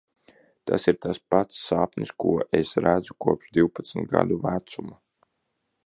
Tas ir tas pats sapnis, ko es redzu kopš divpadsmit gadu vecuma.